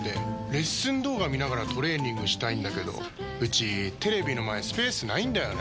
レッスン動画見ながらトレーニングしたいんだけどうちテレビの前スペースないんだよねー。